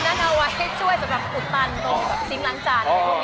นั่นเอาไว้ให้ช่วยสำหรับอุดตันตรงแบบซิงค์ล้างจาน